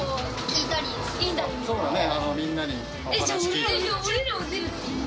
そうだね。